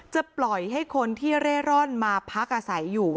จะปล่อยให้คนที่เร่ร่อนมาพักอาศัยอยู่